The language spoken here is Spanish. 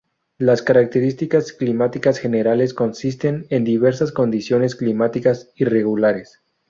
Las características climáticas generales consisten en diversas condiciones climáticas irregulares.